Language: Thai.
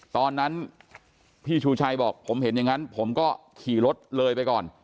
ตอนนั้นพี่ชูชัยบอกผมเห็นอย่างนั้นผมก็ขี่รถเลยไปก่อน